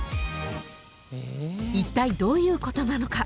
［いったいどういうことなのか］